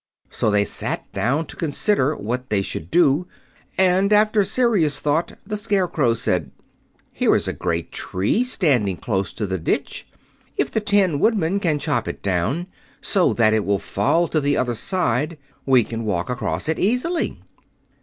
So they sat down to consider what they should do, and after serious thought the Scarecrow said: "Here is a great tree, standing close to the ditch. If the Tin Woodman can chop it down, so that it will fall to the other side, we can walk across it easily."